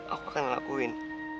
aku akan ngelakuin